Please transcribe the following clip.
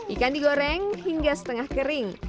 ikan digoreng hingga setengah kering